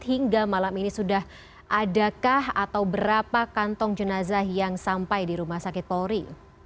hingga malam ini sudah adakah atau berapa kantong jenazah yang sampai di rumah sakit polri